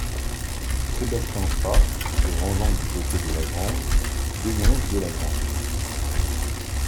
Sébastien Fath, se rangeant du côté de Lagrange dénonce de Lagrange.